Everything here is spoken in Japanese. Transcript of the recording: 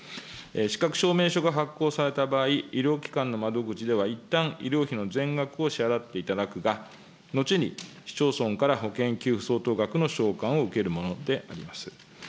資格証明書が発行された場合、医療機関の窓口では、いったん医療費の全額を支払っていただくが、後に、市町村から保険給付相当額の償還を受けるものであります。